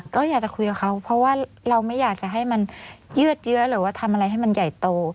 ก็อยากจะคุยกับเขาเพราะว่าเราไม่อยากจะให้มันยืดเยอะหรือว่าทำอะไรให้มันใหญ่โต